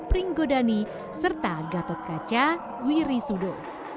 satria pringgodani serta gatotkaca wirisudo